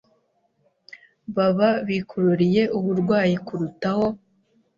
baba bikururiye uburwayi kurutaho,